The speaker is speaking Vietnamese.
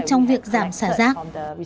trong việc giảm xả rác